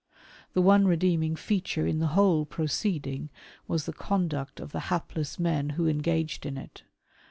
The one redeeming feature in the whole proceeding was the conduct of the hapless men who engaged in it.